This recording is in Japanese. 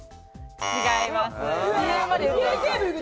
違います。